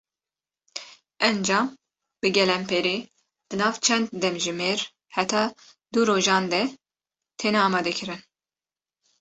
Encam bi gelemperî di nav çend demjimêr heta du rojan de têne amadekirin.